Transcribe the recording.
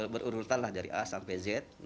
berurutan lah dari a sampai z